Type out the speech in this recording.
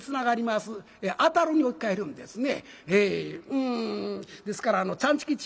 「摺る」を「当たる」に置き換えるんですね。